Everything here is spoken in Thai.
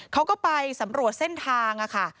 เขาก็ไปสำรวจเส้นทางค่ะ